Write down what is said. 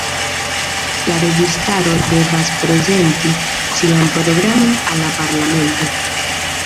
La registaro devas prezenti sian programon al la parlamento.